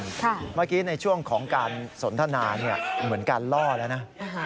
เมื่อกี้ในช่วงของการสนทนาเหมือนการล่อแล้วนะ